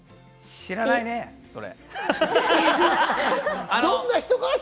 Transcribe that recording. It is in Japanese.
知らないね、それ。